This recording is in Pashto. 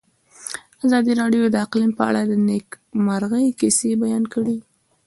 ازادي راډیو د اقلیم په اړه د نېکمرغۍ کیسې بیان کړې.